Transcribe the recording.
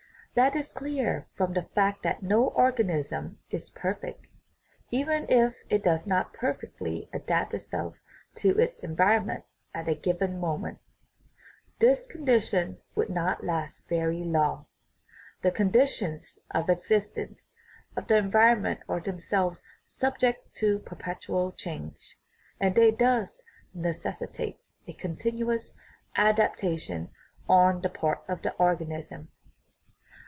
That is clear from the fact that no organism is perfect; even if it does perfectly adapt itself to its environment at a given moment, this condition would not last very long; the conditions of existence of the environment are themselves subject to perpetual change and they thus necessitate a continuous adaptation on the part of the organism.